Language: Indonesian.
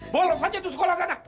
bolos aja tuh sekolah sana